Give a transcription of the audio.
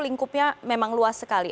lingkupnya memang luas sekali